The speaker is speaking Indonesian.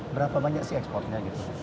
berapa banyak sih ekspornya